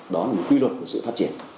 đó là một quy luật của sự phát triển